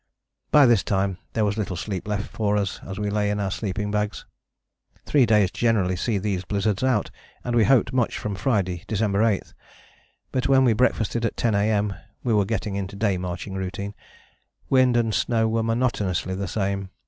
" By this time there was little sleep left for us as we lay in our sleeping bags. Three days generally see these blizzards out, and we hoped much from Friday, December 8. But when we breakfasted at 10 A.M. (we were getting into day marching routine) wind and snow were monotonously the same.